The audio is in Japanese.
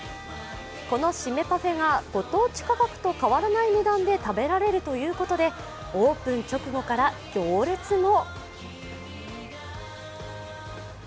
このシメパフェがご当地価格と変わらない値段で食べられるということで、オープン直後から行列も。